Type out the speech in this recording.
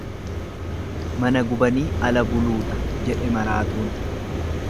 Mana gubanii ala buluudha jedhe maraatuun.